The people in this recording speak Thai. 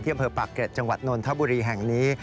อำเภอปากเกร็ดจังหวัดนนทบุรีแห่งนี้